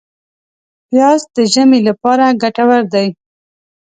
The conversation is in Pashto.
پیاز د ژمي لپاره ګټور دی